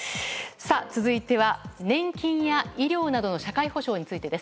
続いては年金や医療などの社会保障についてです。